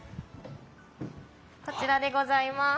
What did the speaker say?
こちらでございます。